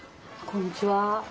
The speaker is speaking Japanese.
こんにちは。